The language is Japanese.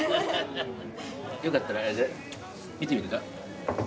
よかったら見てみるか？